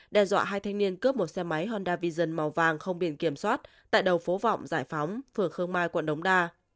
đe dọa hai thanh niên cướp một xe máy honda vision màu vàng không biển kiểm soát tại đầu phố vọng giải phóng phường khương mai quận đống đa